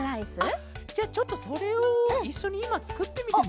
あっじゃあちょっとそれをいっしょにいまつくってみても？